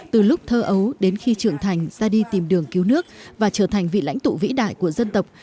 từ lúc thơ ấu đến khi trưởng thành ra đi tìm đường cứu nước và trở thành vị lãnh tụ vĩ đại của dân tộc